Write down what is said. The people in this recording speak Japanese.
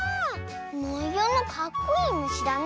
もようもかっこいいむしだね。